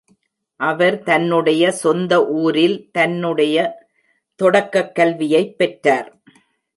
அவர் தன்னுடைய சொந்த ஊரில் தன்னுடைய தொடக்கக் கல்வியைப் பெற்றார்.